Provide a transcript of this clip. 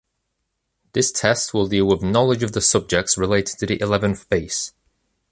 This test will deal with knowledge of the subjects related to the eleventh base.